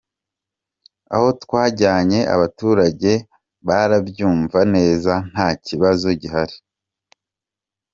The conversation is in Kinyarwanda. Aho twajyanye abaturage barabyumva neza nta kibazo gihari.